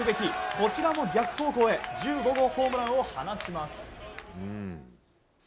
こちらも逆方向へ１５号ホームランを放ちます。